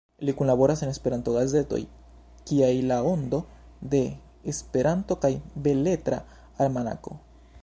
Li kunlaboras en Esperanto gazetoj kiaj La Ondo de Esperanto kaj Beletra Almanako.